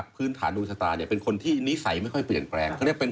เมื่อปีที่แล้วก่อน